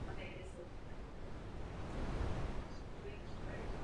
Příslušnou metodologii projednáváme s Evropským účetním dvorem.